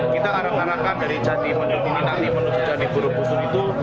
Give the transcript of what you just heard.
kita harap harapkan dari jati menuju jati buruk buruk itu